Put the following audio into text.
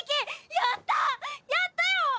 やったよ！